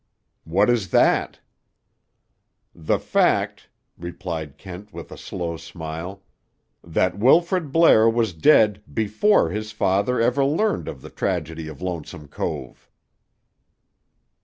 "What is that?" "The fact," replied Kent with a slow smile, "that Wilfrid Blair was dead before his father ever learned of the tragedy of Lonesome Cove."